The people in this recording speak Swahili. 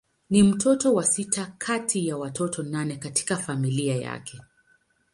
Ni mtoto wa sita kati ya watoto nane katika familia yake.